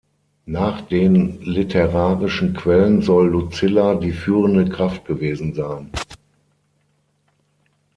Nach den literarischen Quellen soll Lucilla die führende Kraft gewesen sein.